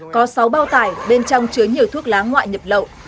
có sáu bao tải bên trong chứa nhiều thuốc lá ngoại nhập lậu